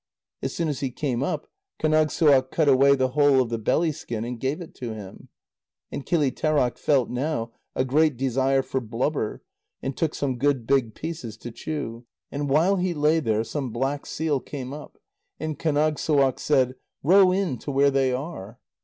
As soon as he came up, Kánagssuaq cut away the whole of the belly skin and gave to him. And Kilitêraq felt now a great desire for blubber, and took some good big pieces to chew. And while he lay there, some black seal came up, and Kánagssuaq said: "Row in to where they are."